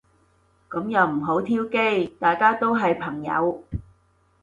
噉又唔好挑機。大家都係朋友